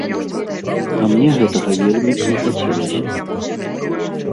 А мне гэтага вельмі б не хацелася.